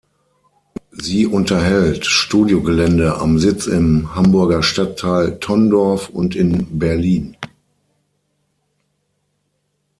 Sie unterhält Studiogelände am Sitz im Hamburger Stadtteil Tonndorf und in Berlin.